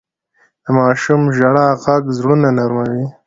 د ماشوم ژړا ږغ زړونه نرموي.